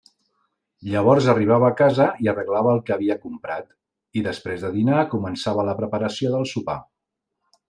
Llavors arribava a casa i arreglava el que havia comprat, i després de dinar començava la preparació del sopar.